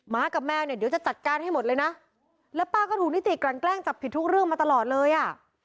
้ากับแมวเนี่ยเดี๋ยวจะจัดการให้หมดเลยนะแล้วป้าก็ถูกนิติกลั่นแกล้งจับผิดทุกเรื่องมาตลอดเลยอ่ะ